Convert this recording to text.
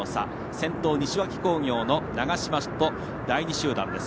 先頭、西脇工業の長嶋と第２集団です。